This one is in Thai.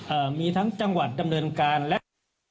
มีทั้งจังหวัดดำเนินการและ